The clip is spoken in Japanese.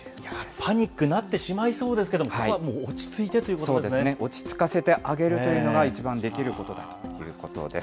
パニックになってしまいそうですけど、ここはもう落ち着いて落ち着かせてあげるということが、一番できることだということです。